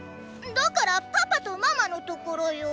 だからパパとママのところよ。